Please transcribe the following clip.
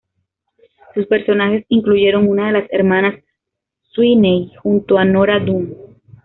Sus personajes incluyeron una de las hermanas Sweeney, junto a Nora Dunn.